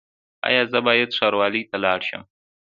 ایا زه باید ښاروالۍ ته لاړ شم؟